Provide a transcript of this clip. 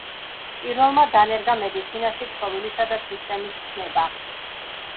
პირველმა დანერგა მედიცინაში „ქსოვილისა“ და „სისტემის“ ცნება.